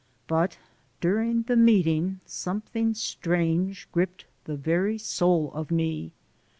But during the meeting something strange gripped the very soul of me.